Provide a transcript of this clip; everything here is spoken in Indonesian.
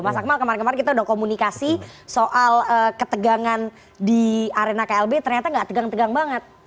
mas akmal kemarin kemarin kita udah komunikasi soal ketegangan di arena klb ternyata gak tegang tegang banget